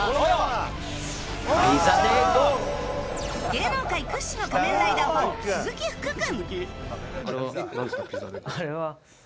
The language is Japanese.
芸能界屈指の仮面ライダーファン、鈴木福君！